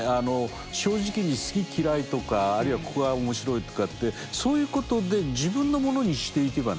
正直に好き嫌いとかあるいはここが面白いとかってそういうことで自分のものにしていけばね。